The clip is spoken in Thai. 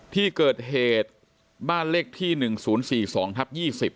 ที่เกิดเหตุบ้านเลขที่หนึ่งศูนย์สี่สองทับยี่สิบ